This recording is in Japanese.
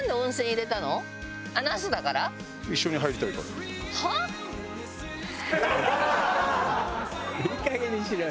いいかげんにしろよ！